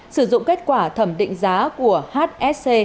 sử dụng kết quả thẩm định giá của hsc